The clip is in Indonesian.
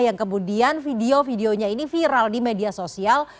yang kemudian video videonya ini viral di media sosial